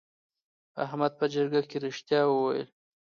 احمد په جرګه کې رښتیا وویل.